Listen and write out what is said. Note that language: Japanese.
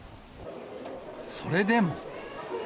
それでも。